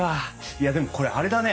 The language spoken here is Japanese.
いやでもこれあれだね。